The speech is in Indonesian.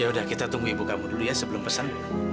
yaudah kita tunggu ibu kamu dulu ya sebelum pesan